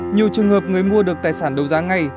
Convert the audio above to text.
nhiều trường hợp người mua được tài sản đấu giá ngay